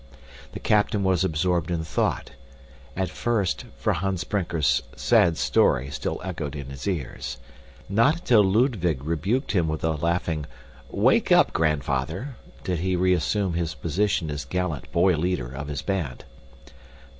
The captain was absorbed in thought, at first, for Hans Brinker's sad story still echoed in his ears. Not until Ludwig rebuked him with a laughing "Wake up, grandfather!" did he reassume his position as gallant boy leader of his band.